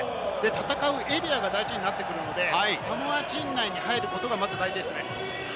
戦うエリアが大事になってくるので、サモア陣内に入ることがまず大事ですね。